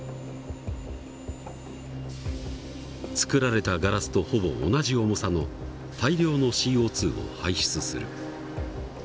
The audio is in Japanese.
作られたガラスとほぼ同じ重さの大量のＣＯを排出する。